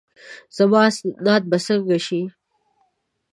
زما اسناد به څرنګه شي؟